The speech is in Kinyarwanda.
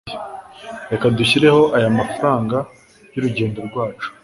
reka dushyireho aya mafranga y'urugendo rwacu